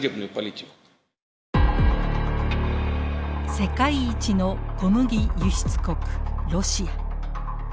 世界一の小麦輸出国ロシア。